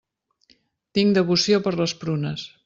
Tinc devoció per les prunes.